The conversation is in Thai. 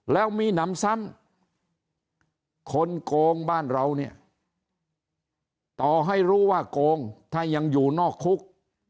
แล้วมีหนำซ้ำคนโกงบ้านเราเนี่ยต่อให้รู้ว่าโกงถ้ายังอยู่นอกคุก